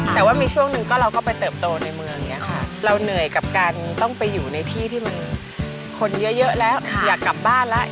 แต่ว่ามีช่วงหนึ่งก็เราก็ไปเติบโตในเมืองอย่างนี้ค่ะเราเหนื่อยกับการต้องไปอยู่ในที่ที่มันคนเยอะแล้วอยากกลับบ้านแล้ว